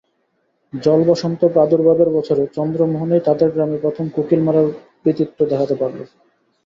জলবসন্ত প্রাদুর্ভাবের বছরে চন্দ্রমোহনই তাদের গ্রামে প্রথম কোকিল মারার কৃতিত্ব দেখাতে পারল।